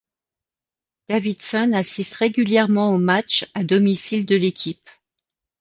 Davidson assiste régulièrement aux matchs à domicile de l'équipe.